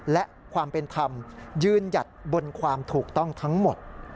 และความเป็นธรรมยืนหยัดบนความถูกต้องทั้งหมด